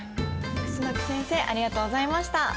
楠木先生ありがとうございました。